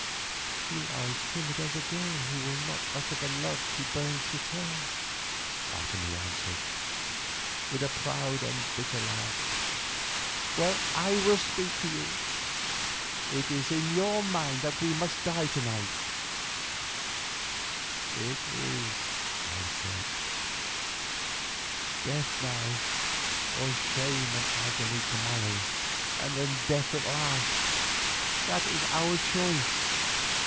"You are timid as a girl who will not utter the love she burns to tell," Otomie answered with a proud and bitter laugh. "Well, I will speak it for you. It is in your mind that we must die to night." "It is," I said; "death now, or shame and agony to morrow and then death at last, that is our choice.